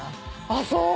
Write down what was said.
あっそう？